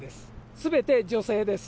すべて女性です。